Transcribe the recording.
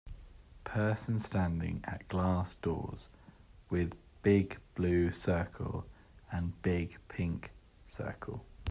Person standing at glass doors with big blue circle and big pink circle